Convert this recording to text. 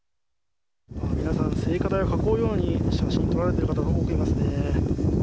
皆さん、聖火台を囲うように、写真撮られている方が多くいますね。